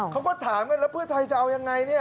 เขาก็ถามกันแล้วเพื่อไทยจะเอายังไงเนี่ย